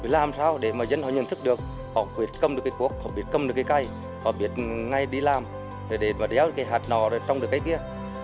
làm sao để mà dân họ nhận thức được họ biết cầm được cái cốc họ biết cầm được cái cây họ biết ngay đi làm để mà đeo cái hạt nò trong cái cây kia